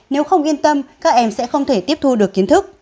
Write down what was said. nếu không yên tâm các em sẽ không thể tiếp thu được kiến thức